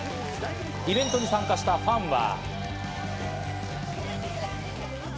イベントに参加したファンは。